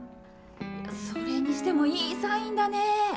それにしてもいいサインだね。